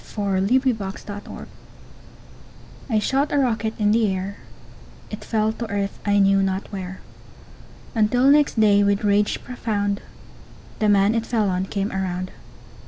ENOUGH BY TOM MASSON I shot a rocket in the air, It fell to earth, I knew not where Until next day, with rage profound, The man it fell on came around.